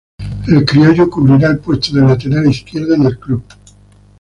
El criollo cubrirá el puesto de lateral izquierdo en el club.